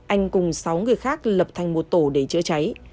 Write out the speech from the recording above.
anh cùng sáu người khác lập thành một tổ để chữa cháy